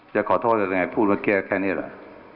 จะขอโทษอย่างไรพูดว่าแค่เนี่ยเหรอ